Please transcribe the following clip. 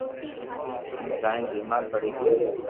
ھين جائين بيمار پڙي گيو